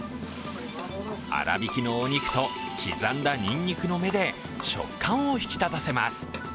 粗びきのお肉と刻んだニンニクの芽で食感を引き立たせます。